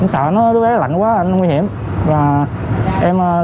sợ đứa bé lạnh quá nó nguy hiểm